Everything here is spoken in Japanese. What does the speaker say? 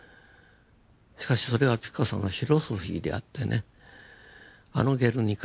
しかしそれはピカソのフィロソフィーであってねあの「ゲルニカ」